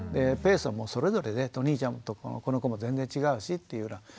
ペースはそれぞれでお兄ちゃんとこの子も全然違うしっていうような。